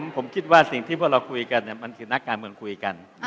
ผมคิดว่าสิ่งที่พวกเราคุยกันมันคือนักการเมืองคุยกัน